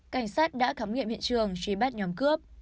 cảnh sát đã khám nghiệm hiện trường truy bắt nhóm cướp